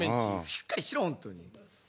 しっかりしろ本当に。